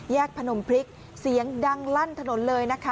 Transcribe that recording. พนมพริกเสียงดังลั่นถนนเลยนะคะ